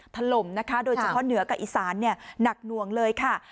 ถล่มนะคะโดยเฉพาะเหนือกับอีสานหนักหน่วงเลยค่ะ